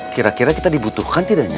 kira kira kita dibutuhkan tidaknya